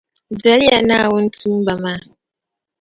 Doli ya Naawuni tuumba maa.